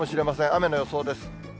雨の予想です。